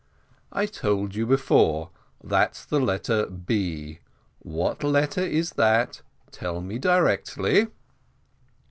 "I told you before, that's the letter B. What letter is that? Tell me directly."